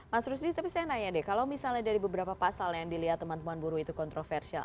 mas rusdi tapi saya nanya deh kalau misalnya dari beberapa pasal yang dilihat teman teman buruh itu kontroversial